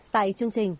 tại chương trình